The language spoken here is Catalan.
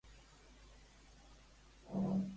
Quin fet deia Rivera que li molestava d'Iglesias?